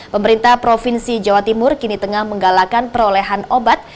pemerintah provinsi jawa timur kini tengah menggalakkan perolehan obat